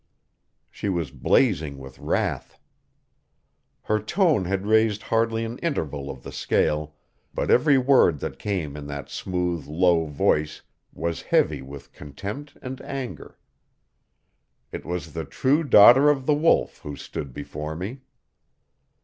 She was blazing with wrath. Her tone had raised hardly an interval of the scale, but every word that came in that smooth, low voice was heavy with contempt and anger. It was the true daughter of the Wolf who stood before me.